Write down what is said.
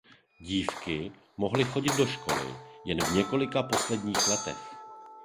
Dívky mohly chodit do školy jen v několika posledních letech.